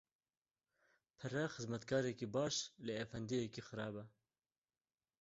Pere, xizmetkarekî baş lê efendiyekî xerab e.